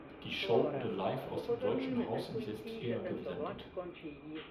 Die Show wurde live aus dem Deutschen Haus in Sestriere gesendet.